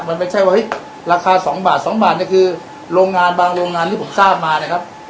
มันไม่ใช่ว่าเฮ้ยราคา๒บาท๒บาทนี่คือโรงงานบางโรงงานที่ผมทราบมานะครับ